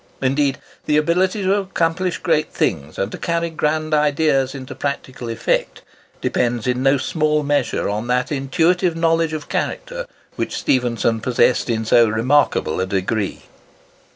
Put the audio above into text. Indeed, the ability to accomplish great things, and to carry grand ideas into practical effect, depends in no small measure on that intuitive knowledge of character, which Stephenson possessed in so remarkable a degree.